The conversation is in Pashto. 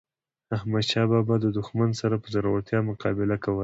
احمد شاه بابا د دښمن سره په زړورتیا مقابله کوله.